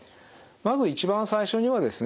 まず一番最初にはですね